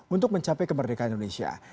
untuk mencapai kemerdekaan indonesia